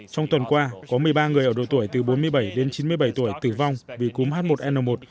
trong tuần qua có một mươi ba người ở độ tuổi từ bốn mươi bảy đến chín mươi bảy tuổi tử vong vì cúm h một n một